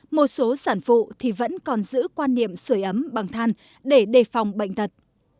một số sản phụ thì vẫn còn giữ quan niệm sửa ấm bằng than để đề phòng bệnh thật